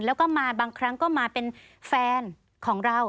แล้วก็มาบางครั้งก็มาเป็นแฟนของเรา